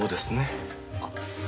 あっ。